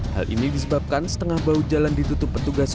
hal ini disebabkan setengah bahu jalan ditutup petugas